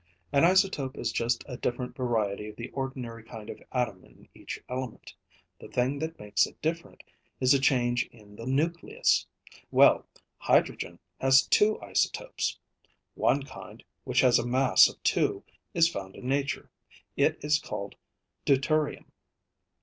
An isotope is just a different variety of the ordinary kind of atom in each element. The thing that makes it different is a change in the nucleus. Well, hydrogen has two isotopes. One kind, which has a mass of two, is found in nature. It is called deuterium.